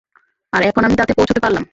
আর এখন আমি তাতে পৌঁছতে পারলাম।